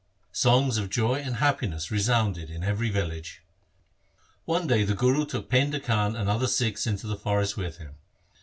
Songs of joy and happiness resounded in every village. One day the Guru took Painda Khan and other Sikhs into the forest with him.